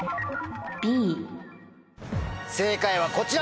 正解はこちら！